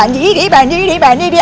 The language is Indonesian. mandiri mandiri mandiri mandiri